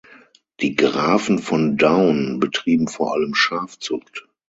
Die Grafen von Daun betrieben vor allem Schafzucht.